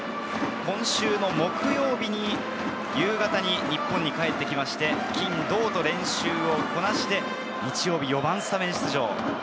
今週の木曜日に夕方に日本に帰ってきて、金・土と練習をこなして、日曜日、４番スタメン出場。